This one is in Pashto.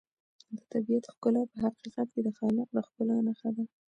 د طبیعت ښکلا په حقیقت کې د خالق د ښکلا نښه ده.